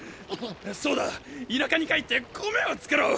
そうだ田舎に帰って米を作ろう。